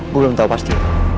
gue belum tau pasti